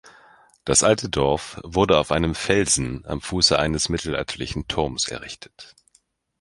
Das alte Dorf wurde auf einem Felsen am Fuße eines mittelalterlichen Turms errichtet.